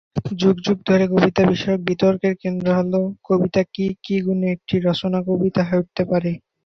যুগ যুগ ধ’রে কবিতা বিষয়ক বিতর্কের কেন্দ্র হলো: কবিতা কী, কী গুণে একটি রচনা কবিতা হয়ে উঠতে পারে।